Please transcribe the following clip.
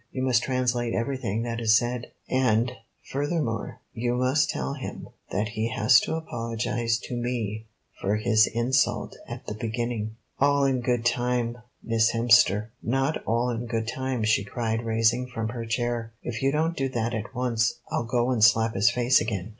"You must translate everything that is said; and, furthermore, you must tell him that he has to apologize to me for his insult at the beginning." "All in good time, Miss Hemster." "Not all in good time," she cried, rising from her chair. "If you don't do that at once, I'll go and slap his face again."